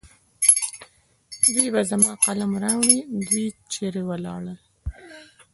دوی به زما قلم راوړي. دوی چېرې ولاړل؟